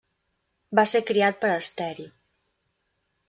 Va ser criat per Asteri.